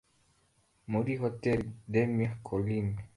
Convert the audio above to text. muri Hotel des Mille Collines